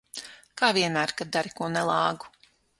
Kā vienmēr, kad dari ko nelāgu.